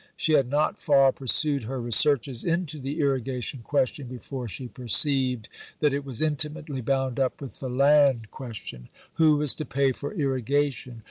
She had not far pursued her researches into the Irrigation question before she perceived that it was intimately bound up with the Land question. Who was to pay for irrigation?